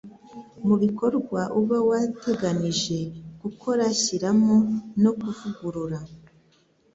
mu bikorwa uba wateganije gukora shyiramo no kuvugurura